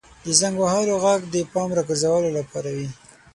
• د زنګ وهلو ږغ د پام راګرځولو لپاره وي.